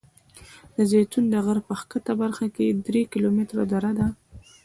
د زیتون د غره په ښکته برخه کې درې کیلومتره دره ده.